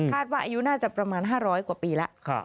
ว่าอายุน่าจะประมาณ๕๐๐กว่าปีแล้ว